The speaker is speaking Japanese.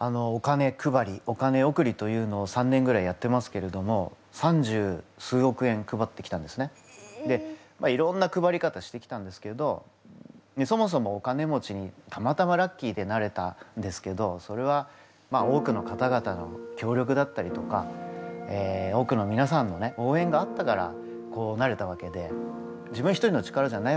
お金配りお金贈りというのを３年ぐらいやってますけれどもいろんな配り方してきたんですけどそもそもお金持ちにたまたまラッキーでなれたんですけどそれは多くの方々の協力だったりとか多くのみなさんのおうえんがあったからこうなれたわけで自分一人の力じゃないわけです。